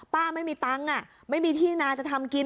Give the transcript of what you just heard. ป้าไม่มีตังค์ไม่มีที่นาจะทำกิน